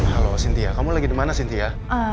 halo sintia kamu lagi dimana sintia